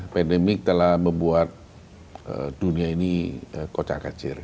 pandemik telah membuat dunia ini kocak kacir